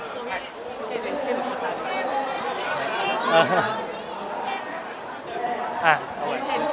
คุณมีขึ้นหรือขดดันหรือเป็นไง